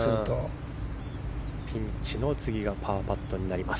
ピンチの次がパーパット。